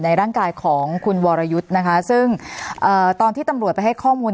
ร่างกายของคุณวรยุทธ์นะคะซึ่งตอนที่ตำรวจไปให้ข้อมูล